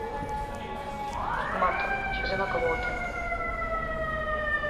Remato, xa se me acabou o tempo.